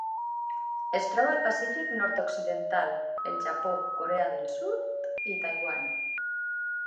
Es troba al Pacífic nord-occidental: el Japó, Corea del Sud i Taiwan.